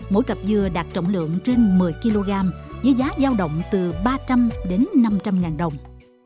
mỗi cặp dưa đạt trọng lượng trên một mươi kg với giá giao động từ ba trăm linh đến năm trăm linh ngàn đồng